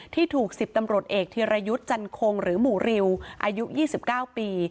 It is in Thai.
ที่ถูก๑๐ตำรวจเอกธีรยุทธ์จันคงหรือหมู่ริวอายุ๒๙ปี